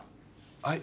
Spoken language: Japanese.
はい？